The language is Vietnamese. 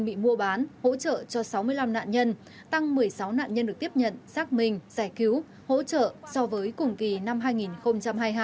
bị mua bán hỗ trợ cho sáu mươi năm nạn nhân tăng một mươi sáu nạn nhân được tiếp nhận xác minh giải cứu hỗ trợ so với cùng kỳ năm hai nghìn hai mươi hai